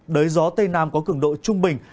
đới gió tây nam có cường độ trung bình